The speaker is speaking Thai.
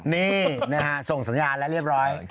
นี้หาส่งสัญญาณเรียบร้อย